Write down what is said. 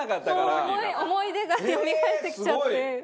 奈緒：思い出がよみがえってきちゃって。